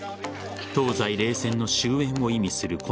東西冷戦の終焉を意味する